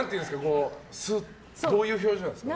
どういう表情なんですか？